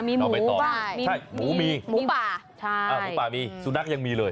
มีหมูหมูป่าหมูป่ามีสุนัขยังมีเลย